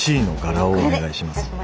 Ｃの柄をお願いします。